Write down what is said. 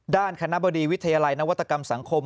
ด้านคณะบดีวิทยาลัยนวัตกรรมสังคม